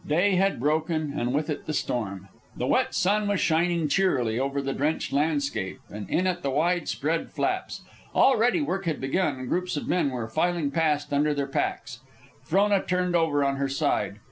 Day had broken, and with it the storm. The wet sun was shining cheerily over the drenched landscape and in at the wide spread flaps. Already work had begun, and groups of men were filing past under their packs. Frona turned over on her side.